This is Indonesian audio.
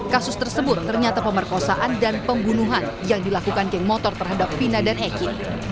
kasus tersebut ternyata pemerkosaan dan pembunuhan yang dilakukan geng motor terhadap vina dan eki